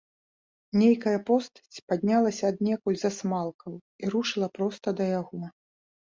Нейкая постаць паднялася аднекуль з асмалкаў і рушыла проста да яго.